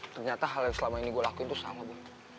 ternyata hal yang selama ini gue lakuin itu sama bu